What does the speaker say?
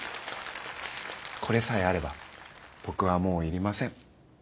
これさえあれば僕はもういりません。